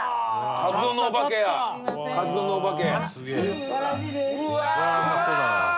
カツ丼のお化け！